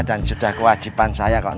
dan sudah kewajiban saya kok non